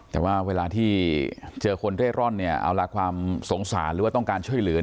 แต่ว่าเวลาที่เจอคนเร่ร่อนเนี่ยเอาละความสงสารหรือว่าต้องการช่วยเหลือ